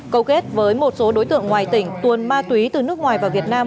câu kết với một số đối tượng ngoài tỉnh tuồn ma túy từ nước ngoài và việt nam